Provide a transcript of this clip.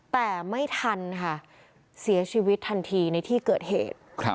แต่ไม่ทันค่ะเสียชีวิตทันทีในที่เกิดเหตุ